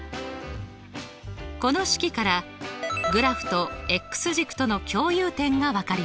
この式からグラフと軸との共有点が分かります。